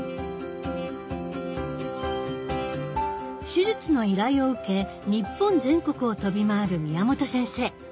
手術の依頼を受け日本全国を飛び回る宮本先生。